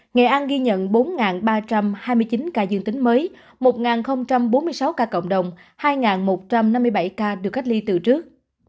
nghệ an ghi nhận bốn ba trăm hai mươi chín ca dương tính mới một bốn mươi sáu ca cộng đồng hai một trăm năm mươi bảy ca được cách ly từ trước